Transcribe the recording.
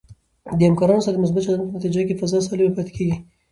د همکارانو سره د مثبت چلند په نتیجه کې فضا سالمه پاتې کېږي.